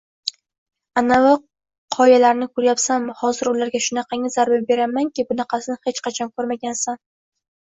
– Anavi qoyalarni ko‘ryapsanmi? Hozir ularga shunaqangi zarba beramanki, bunaqasini hech qachon ko‘rmagansan